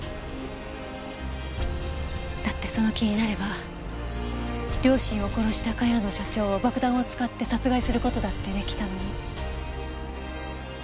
だってその気になれば両親を殺した茅野社長を爆弾を使って殺害する事だって出来たのに。